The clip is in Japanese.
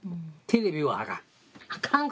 テレビはあかん。